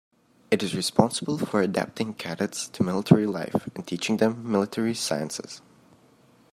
It is responsible for adapting cadets to military life and teaching them military sciences.